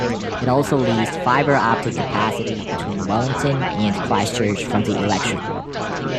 It also leased fibre optic capacity between Wellington and Christchurch from the Electricorp.